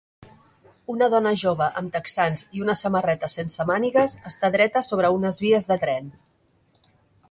Una dona jove amb texans i una samarreta sense mànigues està dreta sobre unes vies de tren.